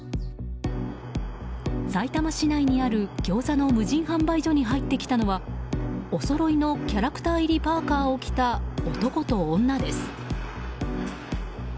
さいたま市内にあるギョーザの無人販売所に入ってきたのはおそろいのキャラクター入りのパーカを着た男と女です。